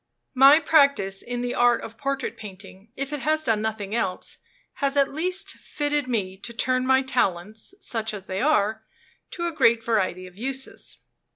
My practice in the art of portrait painting, if it has done nothing else, has at least fitted me to turn my talents (such as they are) to a great variety of uses.